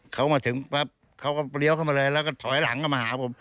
เขามาถึงปั๊บเขาก็เลี้ยวเข้ามาเลยแล้วก็ถอยหลังเข้ามาหาผม